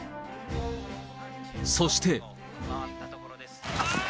そして。